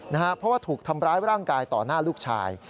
เพราะว่าถูกทำร้ายร่างกายต่อหน้าลูกชาย